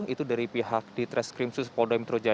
itu dari pihak di treskripsus polda metro